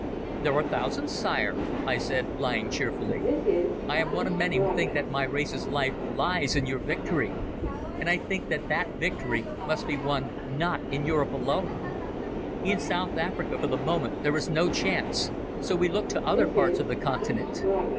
"There are thousands, sire," I said, lying cheerfully. "I am one of many who think that my race's life lies in your victory. And I think that that victory must be won not in Europe alone. In South Africa for the moment there is no chance, so we look to other parts of the continent.